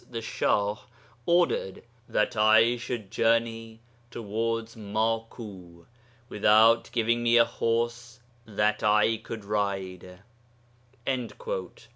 the Shah] ordered that I should journey towards Maku without giving me a horse that I could ride.'